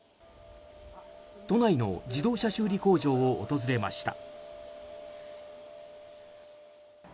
都内の自動車修理工場を訪れました。